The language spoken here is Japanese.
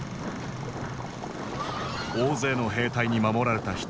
大勢の兵隊に守られたひつぎ。